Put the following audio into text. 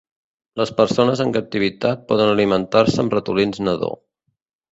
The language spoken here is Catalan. Les persones en captivitat poden alimentar-se amb ratolins nadó.